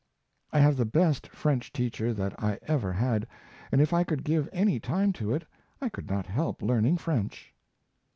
I have the best French teacher that I ever had, and if I could give any time to it I could not help learning French.